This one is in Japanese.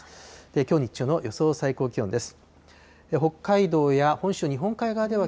きょう日中の予想最高気温です。